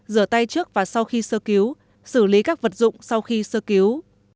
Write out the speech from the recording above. sáu rửa tay trước và sau khi sơ cứu bảy xử lý các vật dụng sau khi sơ cứu